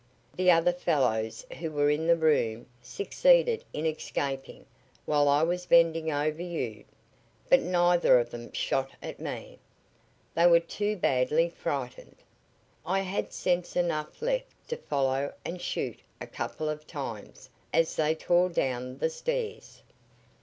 The other fellows who were in the room succeeded in escaping while I was bending over you, but neither of them shot at me. They were too badly frightened. I had sense enough left to follow and shoot a couple of times as they tore down the stairs.